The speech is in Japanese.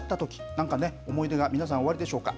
なんかね、思い出が、皆さん、おありでしょうか。